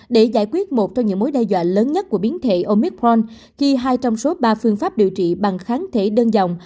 để giải quyết một trong những mối đe dọa lớn nhất của biến thể omicron khi hai trong số ba phương pháp điều trị bằng kháng thể đơn dòng